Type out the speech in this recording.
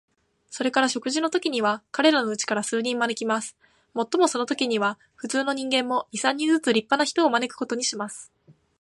それから食事のときには、彼等のうちから数人招きます。もっともそのときには、普通の人間も、二三人ずつ立派な人を招くことにします。